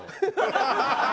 ハハハハ！